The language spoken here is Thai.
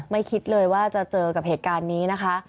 คิดเลยว่าจะเจอกับเหตุการณ์นี้นะคะ